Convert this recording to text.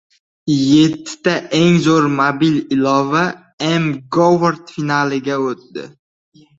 Yettita eng zo‘r mobil ilova «mGovAward» finaliga o‘tdi